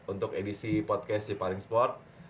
untuk edisi podcast lipaling sport